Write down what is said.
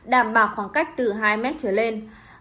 đảm bảo khoảng cách từ hai m trở lên